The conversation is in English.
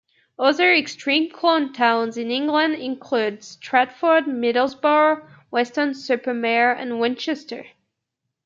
Other extreme clone towns in England include Stafford, Middlesbrough, Weston-super-Mare and Winchester.